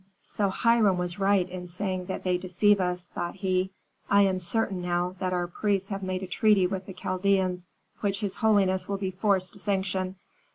"So Hiram was right in saying that they deceive us," thought he. "I am certain now that our priests have made a treaty with the Chaldeans which his holiness will be forced to sanction.